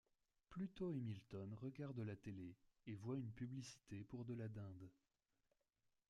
Pluto et Milton regardent la télé et voient une publicité pour de la dinde.